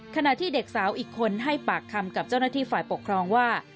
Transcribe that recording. ขณะที่เด็กสาวอีกคนให้ปากคำกับเจ้าหน้าที่ฝ่ายปกครองว่า